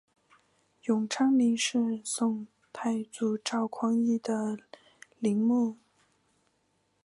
永昌陵是宋太祖赵匡胤的陵墓。